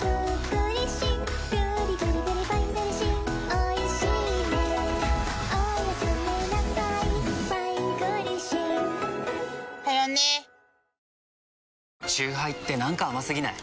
おおーーッチューハイって何か甘すぎない？